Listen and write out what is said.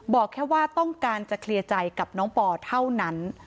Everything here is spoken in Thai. บอกแค่ว่าต้องการจะเคลียร์ใจกับน้องปอเท่านั้น